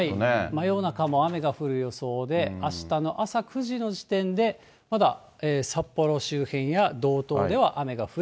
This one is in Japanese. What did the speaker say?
真夜中も雨が降る予想で、あしたの朝９時の時点でまだ札幌周辺や道東では雨が降り。